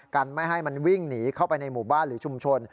กันไม่ให้มันวิ่งหนีเข้าไปในหมู่บ้านหรือชุมชน